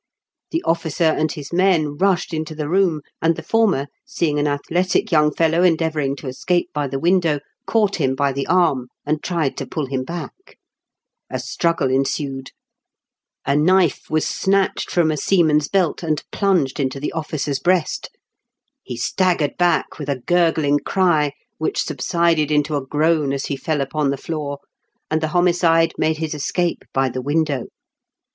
The officer and his men rushed into the room, and the former, seeing an athletic young fellow endeavouring to escape by the window, caught him by the arm, and tried to pull him back. A struggle ensued. A knife waa T 2 276 IN KENT WITH CHABLE8 DICKENS. snatched from a seaman's belt, and plunged into the officer's breast. He staggered back with a gurgUng cry, which subsided into a groan as he fell upon the floor, and the homi cide made his escape by the window.